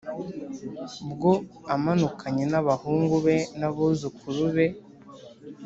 bwo amanukanye n'abahungu be n'abuzukuru be